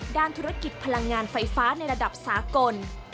ด้านธุรกิจพลังงานไฟฟ้าในระดับสากล